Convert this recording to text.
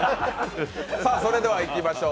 それではいきましょう。